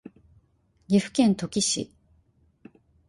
岐阜県土岐市